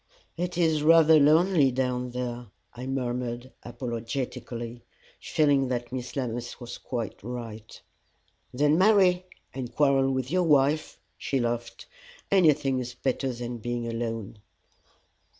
"It is rather lonely down there," I murmured, apologetically, feeling that Miss Lammas was quite right. "Then marry, and quarrel with your wife," she laughed. "Anything is better than being alone."